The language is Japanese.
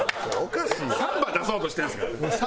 サンバ出そうとしてるんですか？